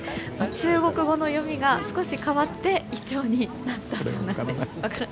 中国語の読みが少し変わってイチョウになったそうです。